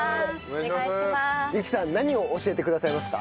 有希さん何を教えてくださいますか？